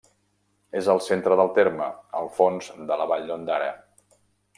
És al centre del terme, al fons de la vall d'Ondara.